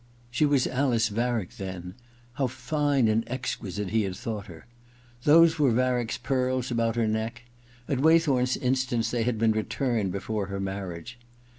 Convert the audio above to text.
She was Alice Varick then — ^how fine and exquisite he had thought her! Those were Varick's pearls about her neck. At Waythorn's instance they had been returned before her marriage.